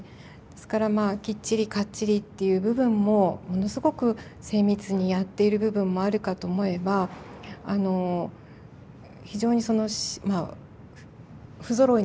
ですからまあきっちりかっちりっていう部分もものすごく精密にやっている部分もあるかと思えばあの非常にその不ぞろいな部分。